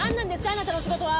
あなたの仕事は！